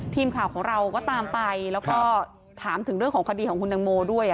ทีมข่าวของเราก็ตามไปแล้วก็ถามถึงเรื่องของคดีของคุณตังโมด้วย